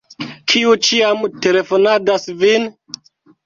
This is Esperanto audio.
Kiu ĉiam telefonadas vin?